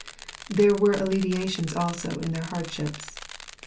There were alleviations also in their hardships.